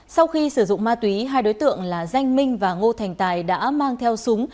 sau khi sử dụng ma túy hai đối tượng là danh minh và ngô thành tài đã mang theo súng